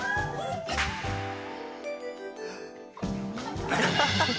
ハハハッ！